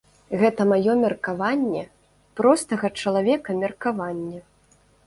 Гэта маё меркаванне, простага чалавека меркаванне.